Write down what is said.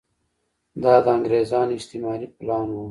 دا د انګریزانو استعماري پلان و.